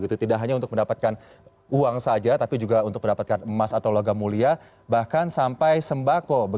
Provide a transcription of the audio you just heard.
tidak hanya untuk mendapatkan uang saja tapi juga untuk mendapatkan emas atau logam mulia bahkan sampai sembako